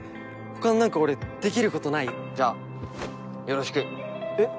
ほかになんか俺できることない？じゃあよろしくえっ？